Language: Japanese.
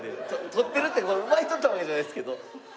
とってるって奪い取ったわけじゃないですけど。